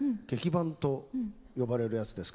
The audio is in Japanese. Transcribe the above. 伴と呼ばれるやつです